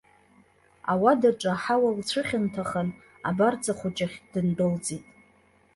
Ауадаҿы аҳауа лцәыхьанҭахан, абарҵа хәыҷахь дындәылҵит.